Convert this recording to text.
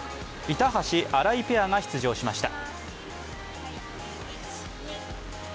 板橋・荒井ペアが出場しました。